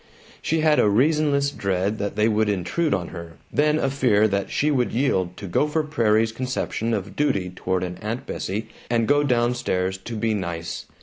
She had a reasonless dread that they would intrude on her, then a fear that she would yield to Gopher Prairie's conception of duty toward an Aunt Bessie and go down stairs to be "nice."